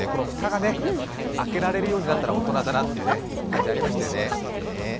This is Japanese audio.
蓋が開けられるようになったら大人かなって感じありましたよね。